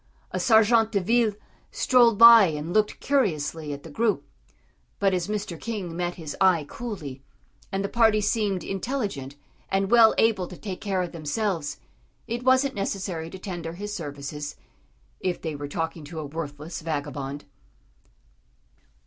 A sergent de ville strolled by and looked curiously at the group, but as Mr. King met his eye coolly, and the party seemed intelligent and well able to take care of themselves, it wasn't necessary to tender his services if they were talking to a worthless vagabond.